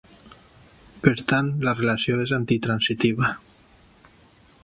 Per tant, la relació és antitransitiva.